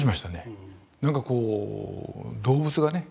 なんかこう動物がね